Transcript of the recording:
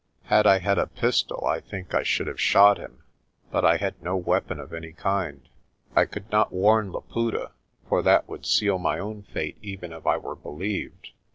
Had I had a pistol, I think I should have shot him; but I had no weapon of any kind. I could not warn Laputa, for that would seal my own fate even if I were believed.